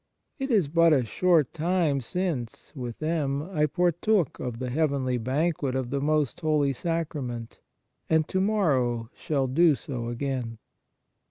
It is but a short time since, with them, I partook of the heavenly banquet of the Most Holy Sacra ment, and to morrow shall do so again.